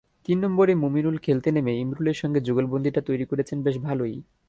তিন নম্বরে মুমিনুল খেলতে নেমে ইমরুলের সঙ্গে যুগলবন্দীটা তৈরি করেছেন বেশ ভালোই।